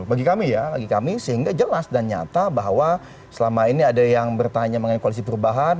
bagi kami ya bagi kami sehingga jelas dan nyata bahwa selama ini ada yang bertanya mengenai koalisi perubahan